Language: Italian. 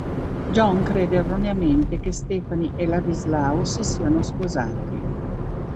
John crede erroneamente che Stephanie e Ladislao si siano sposati.